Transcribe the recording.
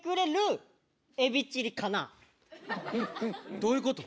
どういうこと？